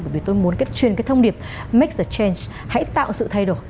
bởi vì tôi muốn truyền cái thông điệp make the change hãy tạo sự thay đổi